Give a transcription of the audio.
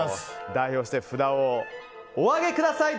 代表して札をお上げください。